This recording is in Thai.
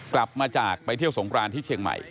กลับมาจากไปเที่ยวสงครานที่เชียงใหม่